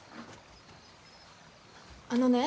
あのね